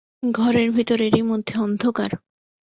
ঘরের ভিতর এরই মধ্যে অন্ধকার!